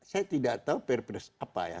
saya tidak tahu perpres apa ya